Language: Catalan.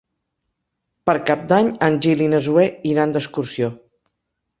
Per Cap d'Any en Gil i na Zoè iran d'excursió.